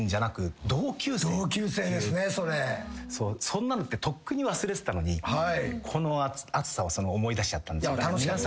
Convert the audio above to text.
そんなのってとっくに忘れてたのにこの熱さを思い出しちゃった。